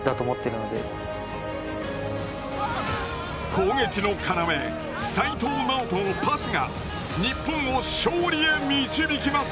攻撃の要齋藤直人のパスが日本を勝利へ導きます！